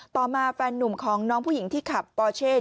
ต่อมาแฟนนุ่มของน้องผู้หญิงที่ขับปอเช่